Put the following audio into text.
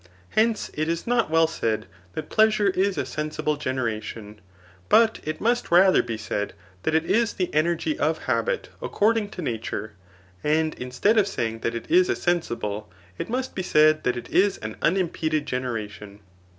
Hence, it is not wdl said^ that pleasure is a sensible gaieration ; but it must rather be said that it is the energy of habit according to nature ; and instead of saying that it is a sensible, it must be said that it is an unimpeded generation.